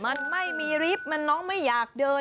มันไม่มีลิฟต์มันน้องไม่อยากเดิน